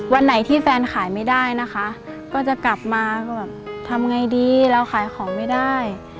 วันไหนที่แฟนขายไม่ได้นะคะก็จะกลับมาก็แบบทำไงดีเราขายของไม่ได้